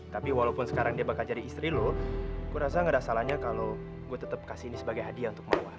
tapi walaupun sekarang dia bakal jadi istri loh gue rasa gak ada salahnya kalau gue tetap kasih ini sebagai hadiah untuk mawar